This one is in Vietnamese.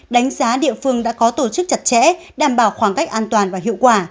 đánh giá địa phương đã có tổ chức chặt chẽ đảm bảo khoảng cách an toàn và hiệu quả